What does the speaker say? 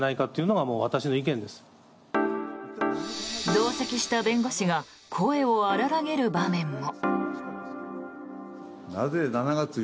同席した弁護士が声を荒らげる場面も。